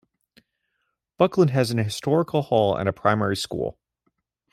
Buckland has an historical hall and a primary school.